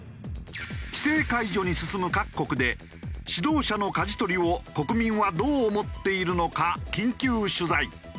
規制解除に進む各国で指導者の舵取りを国民はどう思っているのか緊急取材。